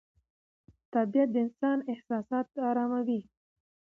طبیعت د انسان احساسات اراموي